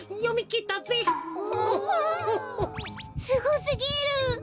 すごすぎる。